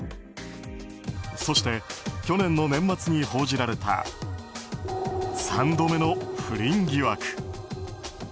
そして去年の年末に報じられた３度目の不倫疑惑。